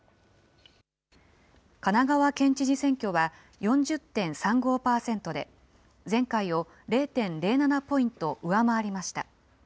神奈川県知事選挙は４０．３５％で、前回を０．０７ポイント上回りました。